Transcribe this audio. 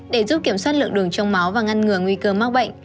để giúp kiểm soát lượng đường trong máu và ngăn ngừa nguy cơ mắc bệnh